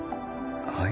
はい？